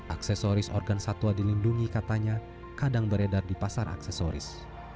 aksesoris organ satwa dilindungi katanya kadang beredar di pasar aksesoris